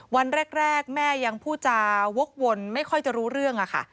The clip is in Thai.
วันแรกแม่ยังพูดจาวกวนไม่ค่อยจะรู้เรื่องค่ะ